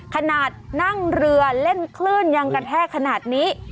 ขนาดนั่งเรือเล่นคลื่นยังกระแทกขนาดนี้